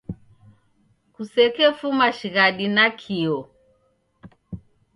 Kusekefuma shighadi nakio.